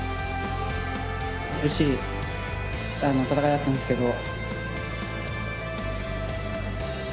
苦しい戦いだったんですけど。